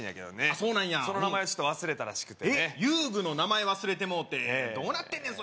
あっそうなんやその名前を忘れたらしくてねえっ遊具の名前忘れてもうてどうなってんねん